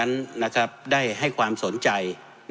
นะครับได้ให้ความสนใจ